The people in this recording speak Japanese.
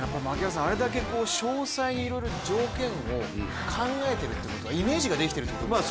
あれだけ詳細にいろいろ条件を考えてるってことはイメージができてるってことですよね。